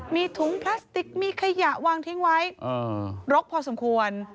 มีถุงพลาสติกมีขยะวางทิ้งไว้รกพอสมควร